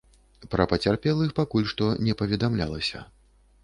Пра пацярпелых пакуль што не паведамлялася.